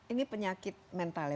ini penyakit mental ya